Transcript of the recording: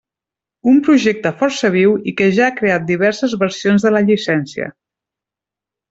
Un project força viu i que ja ha creat diverses versions de la llicència.